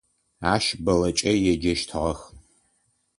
Ащ Бэллэкӏэ еджэщтыгъэх.